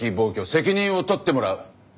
責任を取ってもらう。